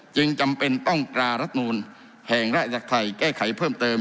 จึงจำเป็นต้องตรารัฐนูลแห่งราชไทยแก้ไขเพิ่มเติม